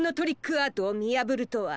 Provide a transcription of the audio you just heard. アートをみやぶるとは。